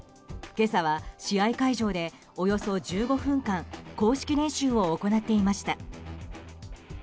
今朝は試合会場でおよそ１５分間公式練習を行っていました。